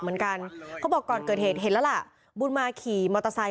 เหมือนกันเขาบอกก่อนเกิดเหตุเห็นแล้วล่ะบุญมาขี่มอเตอร์ไซค